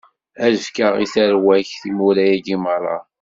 Ad fkeɣ i tarwa-k timura-agi meṛṛa.